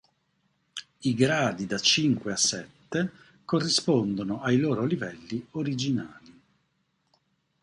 I gradi da cinque a sette corrispondono ai loro livelli originali.